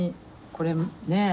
これねえ